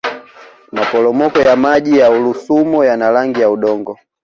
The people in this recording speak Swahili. maporomoko ya maji ya rusumo yana rangi ya udongo